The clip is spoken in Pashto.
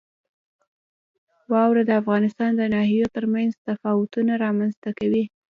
واوره د افغانستان د ناحیو ترمنځ تفاوتونه رامنځ ته کوي.